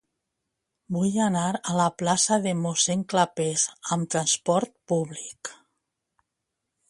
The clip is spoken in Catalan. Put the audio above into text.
Vull anar a la plaça de Mossèn Clapés amb trasport públic.